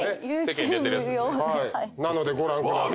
なのでご覧ください。